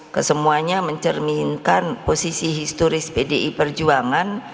kesemuanya mencerminkan posisi historis pdi perjuangan